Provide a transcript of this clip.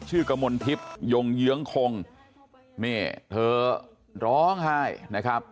กมลทิพย์ยงเยื้องคงนี่เธอร้องไห้นะครับ